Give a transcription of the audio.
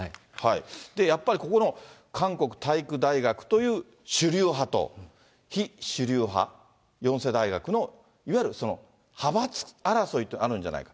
やっぱりここの韓国体育大学という主流派と、非主流派、ヨンセ大学のいわゆる派閥争いがあるんじゃないか。